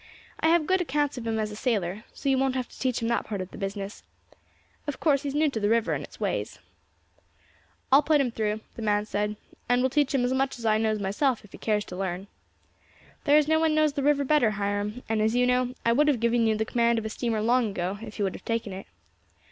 I have good accounts of him as a sailor, so you won't have to teach him that part of the business. Of course he is new to the river and its ways." "I will put him through," the man said, "and will teach him as much as I knows myself if he cares to learn." "There is no one knows the river better, Hiram; and, as you know, I would have given you the command of a steamer long ago if you would have taken it."